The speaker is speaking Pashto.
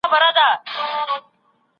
کورنیو د رخصتۍ ورځو کي پارکونو ته تګ کاوه.